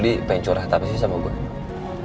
lo pengen curhat apa sih sama gue